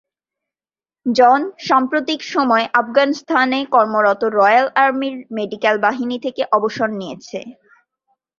জন সাম্প্রতিক সময়ে আফগানিস্তানে কর্মরত রয়াল আর্মির মেডিক্যাল বাহিনী থেকে অবসর নিয়েছে।